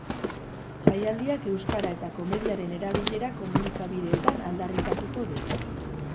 Jaialdiak euskara eta komediaren erabilera komunikabideetan aldarrikatuko du.